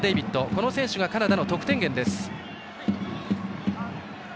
この選手がカナダの得点源です。